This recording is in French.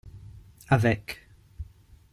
Avec.